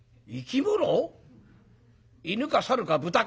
犬か猿か豚か？」。